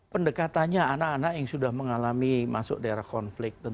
pendekatannya anak anak yang sudah mengalami masuk daerah konflik tentunya lain dengan mereka